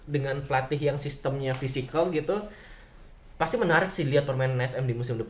dengan pelatih yang sistemnya fisikal gitu pasti menarik sih lihat permainan sm di musim depan